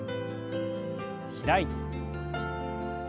開いて。